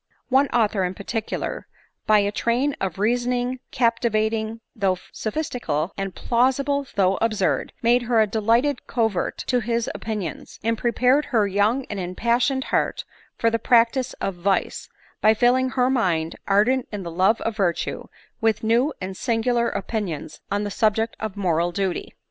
17 One author in particular, by a train of reasoning capti vating though sophistical, and plausible though absurd, made her a delighted convert to his opinions, and pre pared her young and impassioned heart for the practice of vice, by filling her mind, ardent in the love of virtue, with new and singular opinions on the subject of moral duty.